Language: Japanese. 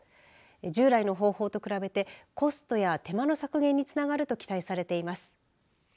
従来の方法と比べてコストや手間の削減につながると期待されています。